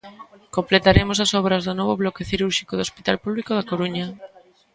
Completaremos as obras do novo bloque cirúrxico do hospital público da Coruña.